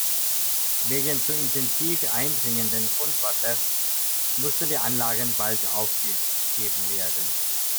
Wegen zu intensiv eindringenden Grundwassers mussten die Anlagen bald aufgegeben werden.